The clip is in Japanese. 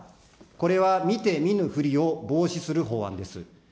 これは見て見ぬふりを防止する法案です。